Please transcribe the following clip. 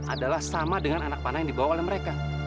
adalah sama dengan anak panah yang dibawa oleh mereka